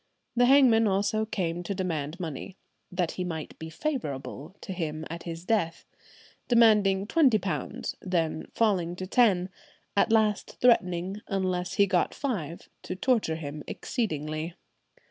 The hangman also came to demand money, that "he might be favourable to him at his death," demanding twenty pounds, then falling to ten, at last threatening, unless he got five, "to torture him exceedingly.